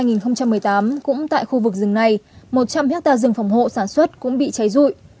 năm hai nghìn một mươi tám cũng tại khu vực rừng này một trăm linh hectare rừng phòng hộ sản xuất cũng bị cháy rụi